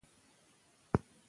شعر په کره کېښکلې ژبه لري.